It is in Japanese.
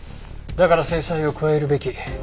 だから制裁を加えるべき。